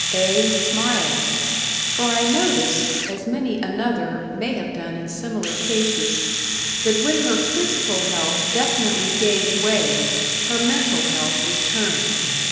Ay, smiled; for I noticed, as many another may have done in similar cases, that when her physical health definitely gave way, her mental health returned.